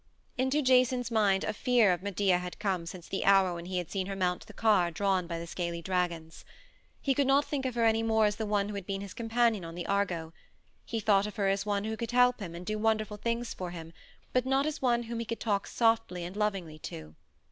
Into Jason's mind a fear of Medea had come since the hour when he had seen her mount the car drawn by the scaly dragons. He could not think of her any more as the one who had been his companion on the Argo. He thought of her as one who could help him and do wonderful things for him, but not as one whom he could talk softly and lovingly to.